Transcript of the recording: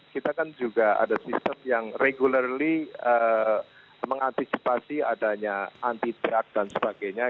kita kan juga ada sistem yang regulary mengantisipasi adanya anti track dan sebagainya